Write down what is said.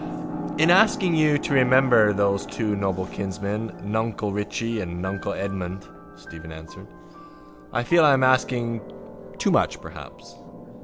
—In asking you to remember those two noble kinsmen nuncle Richie and nuncle Edmund, Stephen answered, I feel I am asking too much perhaps.